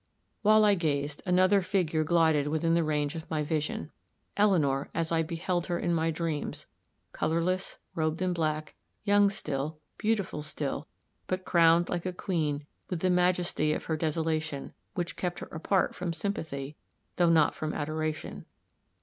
While I gazed, another figure glided within range of my vision. Eleanor, as I beheld her in my dreams, colorless, robed in black, young still, beautiful still, but crowned, like a queen, with the majesty of her desolation, which kept her apart from sympathy, though not from adoration.